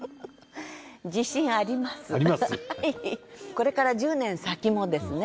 これから１０年先もですね